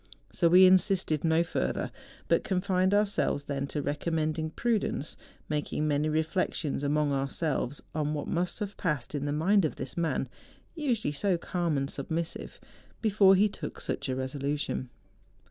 So we insisted no further, but confined ourselves then to recommending prudence, making many re¬ flections among ourselves on what must have passed in the mind of this man, usually so calm and sub¬ missive, before he took such a resolution.